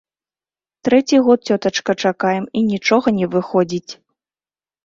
Трэці год, цётачка, чакаем, і нічога не выходзіць.